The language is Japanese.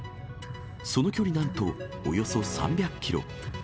その距離なんと、およそ３００キロ。